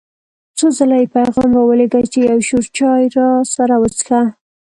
څو ځله یې پیغام را ولېږه چې یو شور چای راسره وڅښه.